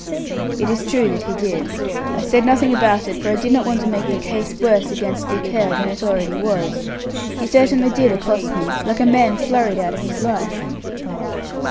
"It is true that he did. I said nothing about it, for I did not want to make the case worse against Dick Hare than it already was. He certainly did accost me, like a man flurried out of his life."